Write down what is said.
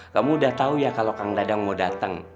kamu udah tau ya kalo kang dadang mau dateng